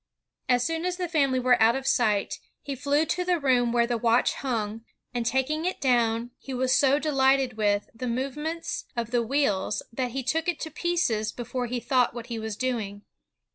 As soon as the family were out of sight, he flew to the room where the watch hung, and taking it down, he was so delighted with .,. the movements of 'the wheels, that he took it to pieces before he thought what he was doing.